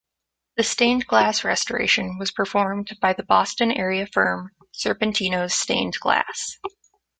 The stained glass restoration was performed by the Boston-area firm "Serpentino Stained Glass".